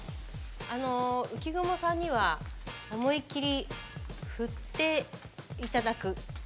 あの浮雲さんには思いきり振って頂く。